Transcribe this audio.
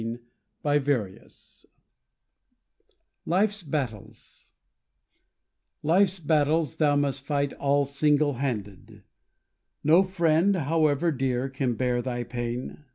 Life's Battles Life's battles thou must fight all single handed; No friend, however dear, can bear thy pain.